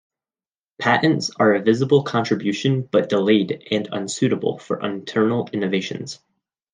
Patents are a visible contribution, but delayed, and unsuitable for internal innovations.